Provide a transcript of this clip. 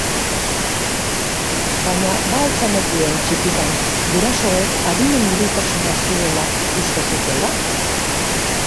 Baina ba al zenekien txikitan gurasoek adimen urritasuna zuela uste zutela?